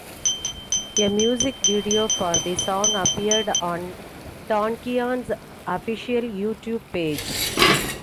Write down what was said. A music video for the song appeared on Tankian's official YouTube page.